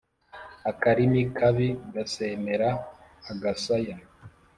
Akarimi kabi gasemera agasaya.